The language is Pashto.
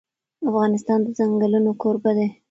افغانستان د ځنګلونه کوربه دی.